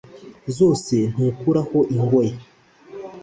zose ntukuraho ingohe.